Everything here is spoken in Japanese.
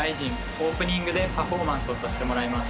オープニングでパフォーマンスをさせてもらいます。